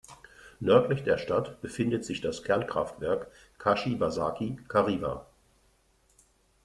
Nördlich der Stadt befindet sich das Kernkraftwerk Kashiwazaki-Kariwa.